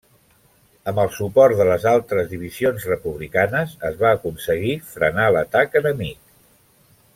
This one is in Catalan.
Amb el suport de les altres divisions republicanes, es va aconseguir frenar l'atac enemic.